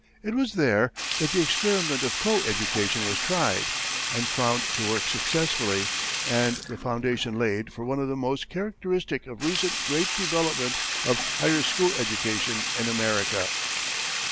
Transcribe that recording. It was there that the experiment of co education was tried, and found to work successfully, and the foundations laid for one of the most characteristic of recent great development of higher school education in America.